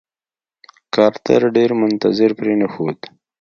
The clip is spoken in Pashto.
کارتر ډېر منتظر پرې نښود.